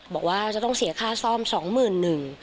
บอกว่าจะต้องเสียค่าซ่อม๒๑๐๐๐เพราะว่าข้างในชื้น